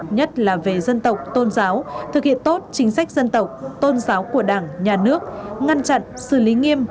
nhất là về dân tộc tôn giáo thực hiện tốt chính sách dân tộc tôn giáo của đảng nhà nước ngăn chặn xử lý nghiêm